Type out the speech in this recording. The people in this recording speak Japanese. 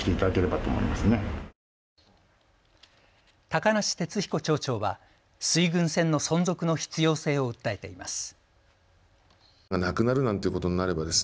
高梨哲彦町長は水郡線の存続の必要性を訴えています。